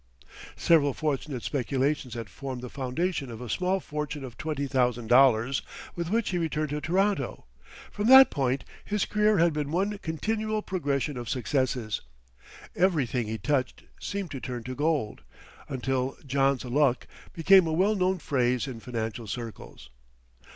Several fortunate speculations had formed the foundation of a small fortune of twenty thousand dollars, with which he returned to Toronto. From that point his career had been one continual progression of successes. Everything he touched seemed to turn to gold, until "John's luck" became a well known phrase in financial circles.